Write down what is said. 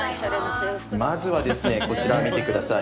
まずはですねこちら、見てください。